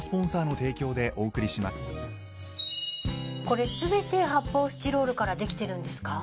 これ全て発泡スチロールからできてるんですか？